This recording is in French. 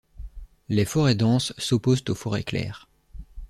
Les forêts denses s'opposent aux forêts claires.